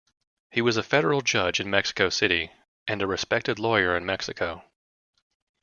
He was a federal judge in Mexico City, and a respected lawyer in Mexico.